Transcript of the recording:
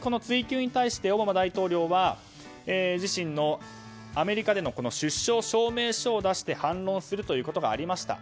この追及に対してオバマ大統領は自身のアメリカでの出生証明書を出して反論するということがありました。